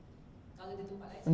menurut guru besar akutansi